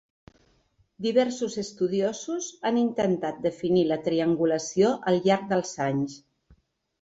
Diversos estudiosos han intentat definir la triangulació al llarg dels anys.